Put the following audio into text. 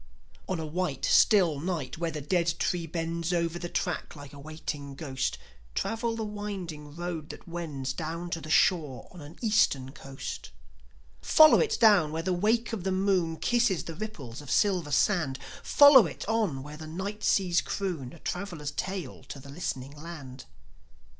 On a white, still night, where the dead tree bends Over the track, like a waiting ghost, Travel the winding road that wends Down to the shore on an Eastern coast. Follow it down where the wake of the moon Kisses the ripples of silver sand; Follow it on where the night seas croon A traveller's tale to the listening land.